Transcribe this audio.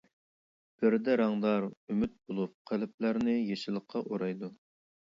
بىردە رەڭدار ئۈمىد بولۇپ قەلبلەرنى يېشىللىققا ئورايدۇ.